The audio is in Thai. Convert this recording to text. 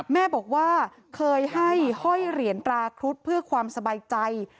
แม่บอกว่าเคยให้ห้อยเหรียญตราครุฑเพื่อความสบายใจ